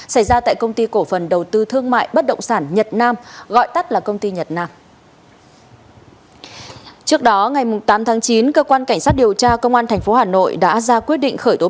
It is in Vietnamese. xin chào và hẹn gặp lại